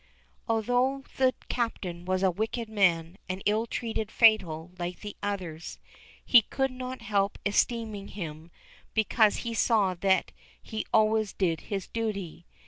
Although the Captain was a wicked man, and ill treated Fatal like the others, he could not help esteeming him because he saw that he always did his duty.